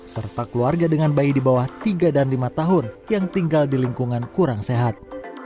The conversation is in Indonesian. serta keluarga dengan bayi di bawah tiga dan lima tahun yang tinggal di lingkungan kurang sehat